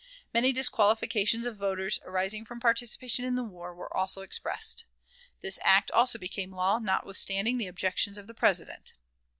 Many disqualifications of voters, arising from participation in the war, were also expressed. This act also became a law, notwithstanding the objections of the President.